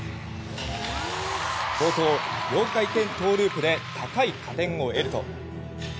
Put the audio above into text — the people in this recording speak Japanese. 冒頭、４回転トウループで高い加点を得ると。